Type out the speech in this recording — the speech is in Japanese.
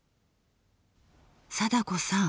貞子さん